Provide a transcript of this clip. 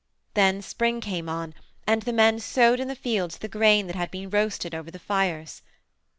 Then spring came on, and the men sowed in the fields the grain that had been roasted over the fires.